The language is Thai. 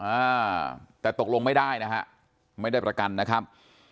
อ่าแต่ตกลงไม่ได้นะฮะไม่ได้ประกันนะครับ